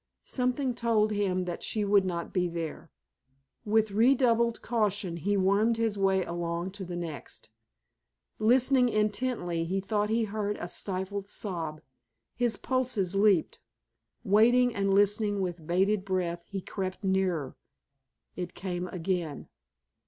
Something told him that she would not be there. With redoubled caution he wormed his way along to the next. Listening intently he thought he heard a stifled sob. His pulses leaped. Waiting and listening with bated breath he crept nearer. It came again.